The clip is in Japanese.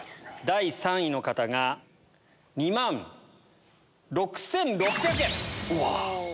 第３位の方が２万６６００円。